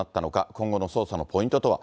今後の捜査のポイントとは。